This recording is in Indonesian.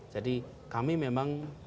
jadi kami memang